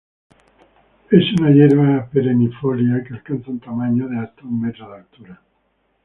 Es una hierba perennifolia que alcanza un tamaño de hasta un metro de altura.